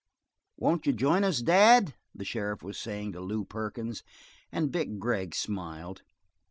"Won't you join us, Dad?" the sheriff was saying to Lew Perkins, and Vic Gregg smiled.